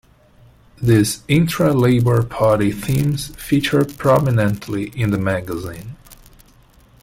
These intra-Labour Party themes featured prominently in the magazine.